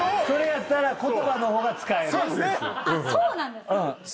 それやったら言葉の方が使える。